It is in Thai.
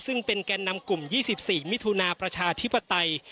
ซึ่งเป็นแก่นำกลุ่ม๒๔มิถุนาประชาธิปไตย